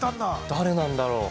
◆誰なんだろう。